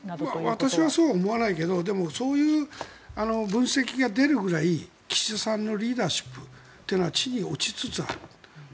私はそうは思わないけどそういう分析が出るくらい岸田さんのリーダーシップは地に落ちつつある。